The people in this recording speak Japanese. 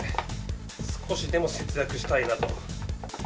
少しでも節約したいなと。